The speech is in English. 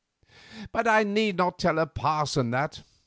But I need not tell a parson that.